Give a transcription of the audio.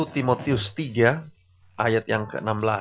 timotius tiga ayat yang ke enam belas